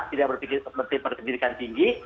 tidak berpikir seperti pendidikan tinggi